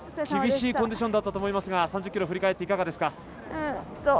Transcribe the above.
厳しいコンディションだったと思いますが３０ｋｍを振り返っていかがでしたか。